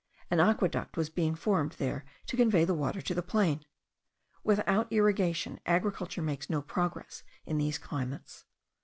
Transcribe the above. An aqueduct was being formed there to convey the water to the plain. Without irrigation, agriculture makes no progress in these climates.